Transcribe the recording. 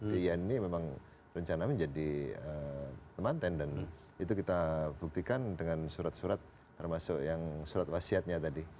di yen ini memang rencana menjadi temanten dan itu kita buktikan dengan surat surat termasuk yang surat wasiatnya tadi